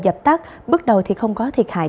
dập tắt bước đầu thì không có thiệt hại